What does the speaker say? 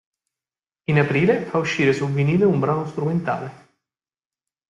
In aprile fa uscire su vinile un brano strumentale.